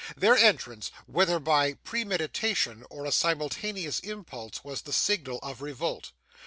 Their entrance, whether by premeditation or a simultaneous impulse, was the signal of revolt.